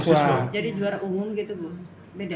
jadi juara umum gitu bu